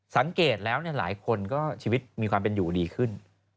สังเกตแล้วหลายคนก็ชีวิตมีความเป็นอยู่ดีขึ้น